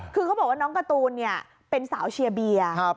คือเขาบอกว่าน้องการ์ตูนเป็นสาวเชียร์เบียร์